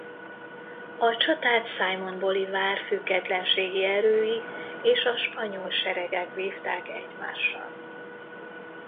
A csatát Simón Bolívar függetlenségi erői és a spanyol seregek vívták egymással.